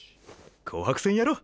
紅白戦やろ！